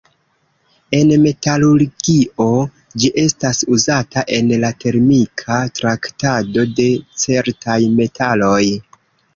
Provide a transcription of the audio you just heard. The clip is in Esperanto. En metalurgio, ĝi estas uzata en la termika traktado de certaj metaloj.